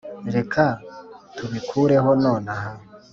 reka tubikureho nonaha.